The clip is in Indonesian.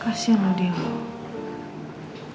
kasih loh din